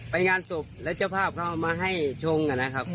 ไปงานศพแล้วเจ้าภาพเขาเอามาให้ชงนะครับ